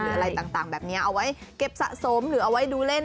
อะไรต่างแบบนี้เอาไว้เก็บสะสมหรือเอาไว้ดูเล่น